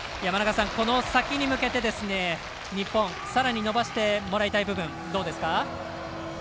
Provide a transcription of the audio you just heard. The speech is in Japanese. この先に向けて、日本さらに伸ばしてもらいたい部分どうですか？